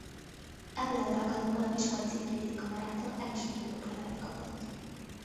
Ebből az alkalomból a Miskolci Ügyvédi Kamarától elismerő oklevelet kapott.